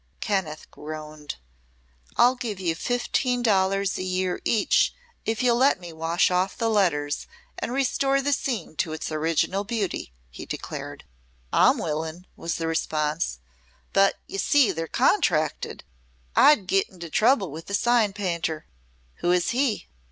Kenneth groaned. "I'll give you fifteen dollars a year each if you'll let me wash off the letters and restore the scene to its original beauty," he declared. "I'm willin'," was the response. "But ye see they're contracted. I'd git into trouble with the sign painter." "Who is he?"